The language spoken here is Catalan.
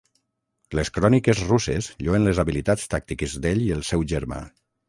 Les cròniques russes lloen les habilitats tàctiques d'ell i el seu germà.